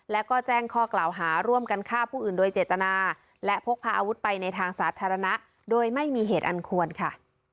แล้วก็แจ้งข้อกล่าวหาร่วมกันฆ่าผู้อื่นโดยเจตนาและพกพาอาวุธไปในทางสาธารณะโดยไม่มีเหตุอันควรค่ะ